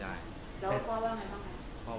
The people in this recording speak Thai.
แล้วพ่อว่าไงบ้างคะ